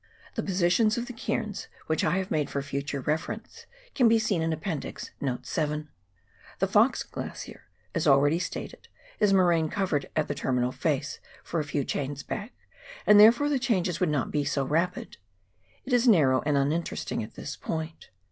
The positions of the cairns which I have made for future reference can be seen in Appen dix, Note VII. The Fox Glacier, as already stated, is moraine covered at the terminal face for a few chains back, and therefore the changes would not be so rapid. It is narrow and uninteresting at this point.